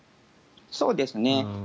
そうですね。